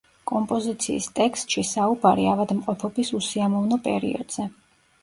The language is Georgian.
კომპოზიციის ტექსტში საუბარი ავადმყოფობის უსიამოვნო პერიოდზე.